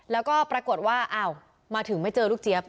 แล้วก็ปรากฏว่าอ้าวมาถึงไม่เจอลูกเจี๊ยบ